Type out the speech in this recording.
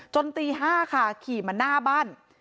ตี๕ค่ะขี่มาหน้าบ้าน